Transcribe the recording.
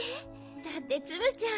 だってツムちゃん